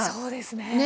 そうですね。